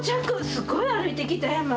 すごい歩いてきたやま。